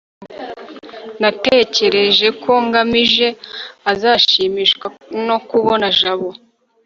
natekereje ko ngamije azashimishwa no kubona jabo